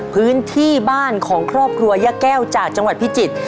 พื้นที่บ้านของครอบครัวย่าแก้วจากจังหวัดพิจิตร